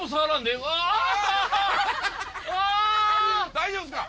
大丈夫ですか！？